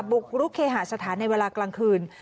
บุกรุกเคหาสถานในเวลากลางคืน